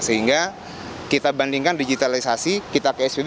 sehingga kita bandingkan digitalisasi kita ke asdp